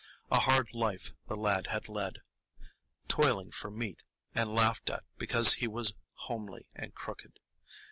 A hard life the lad had led, toiling for meat, and laughed at because he was homely and crooked.